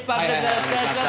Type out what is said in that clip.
よろしくお願いします。